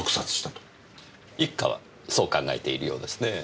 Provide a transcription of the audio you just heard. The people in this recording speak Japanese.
一課はそう考えているようですねぇ。